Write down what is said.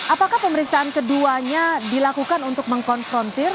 apakah pemeriksaan keduanya dilakukan untuk mengkonfrontir